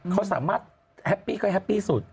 เขาสามารถแฮปปี้ก็แฮปปี้สุด